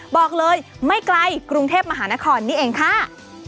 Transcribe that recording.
บอกเลยไม่ไกลกรุงเทพมหานครนี่เองค่ะ